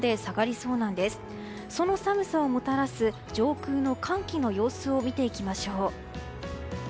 その寒さをもたらす上空の寒気の様子を見てみましょう。